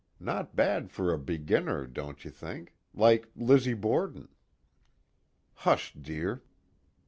Not bad for a beginner, don't you think? Like Lizzie Borden." "Hush, dear."